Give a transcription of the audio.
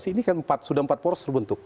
ini kan empat sudah empat poros terbentuk